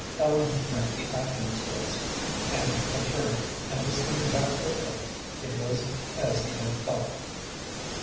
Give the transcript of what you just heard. Ellen had met the Atkins girls, and had turned, and was coming back with them. It was as he had thought.